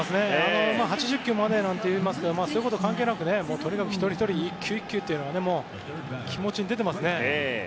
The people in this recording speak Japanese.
８０球までなんて言いますけどそういうことは関係なくとにかく一人ひとり１球１球というのが気持ちに出ていますね。